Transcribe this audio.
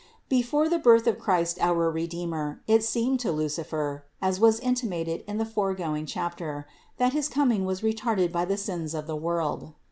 364. Before the birth of Christ our Redeemer it seemed to Lucifer (as was intimated in the foregoing chapter) that his coming was retarded by the sins of the world.